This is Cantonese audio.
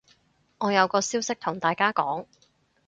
我有個消息同大家講